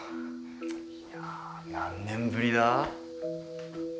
いやあ何年ぶりだ？